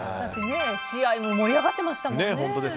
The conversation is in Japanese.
試合も盛り上がってましたもんね。